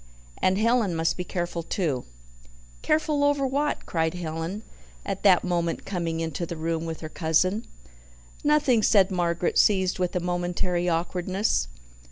"And Helen must be careful, too," "Careful over what?" cried Helen, at that moment coming into the room with her cousin. "Nothing," said Margaret, seized with a momentary awkwardness.